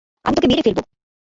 আমি তোকে মেরে ফেলব!